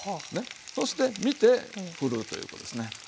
そして見てふるということですね。